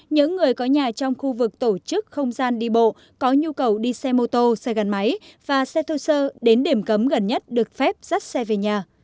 những người có nhà trong khu vực tổ chức không gian đi bộ có nhu cầu đi xe mô tô xe gắn máy và xe thô sơ đến điểm cấm gần nhất được phép dắt xe về nhà